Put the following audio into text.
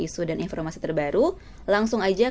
isu dan informasi terbaru langsung aja